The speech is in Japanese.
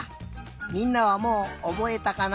みんなはもうおぼえたかな？